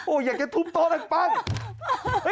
โอ้อย่าแกทุบต่อดังปัง